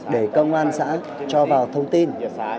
để công an xã cho vào thông tin